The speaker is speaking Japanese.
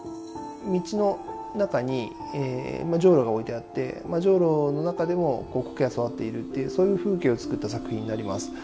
道の中にジョウロが置いてあってジョウロの中でも苔が育っているというそういう風景を作った作品になります。